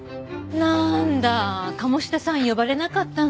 なんだ鴨志田さん呼ばれなかったんだ。